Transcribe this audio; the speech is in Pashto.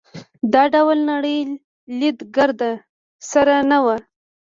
دا ډول نړۍ لید ګرد سره نه وو.